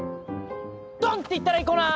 ドン！って言ったらいこうな。